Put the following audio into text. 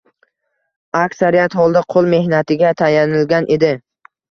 Aksariyat holda qoʻl mehnatiga tayanilgan edi.